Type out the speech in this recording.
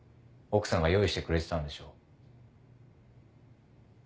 奥さんが用意してくれてたんでしょう。